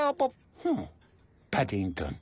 ふんパディントン？